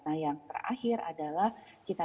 nah yang terakhir adalah kita